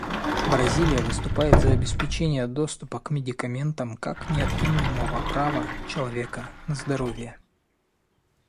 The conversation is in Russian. Бразилия выступает за обеспечение доступа к медикаментам как неотъемлемого права человека на здоровье.